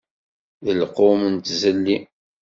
D lqum n tzelli.